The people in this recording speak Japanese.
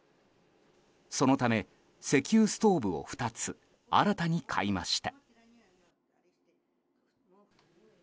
そのため、石油ストーブを２つ新たに買いました。